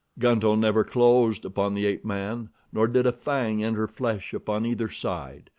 Gunto never closed upon the ape man, nor did a fang enter flesh upon either side.